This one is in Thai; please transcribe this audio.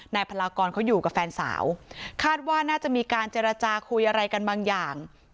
พลากรเขาอยู่กับแฟนสาวคาดว่าน่าจะมีการเจรจาคุยอะไรกันบางอย่าง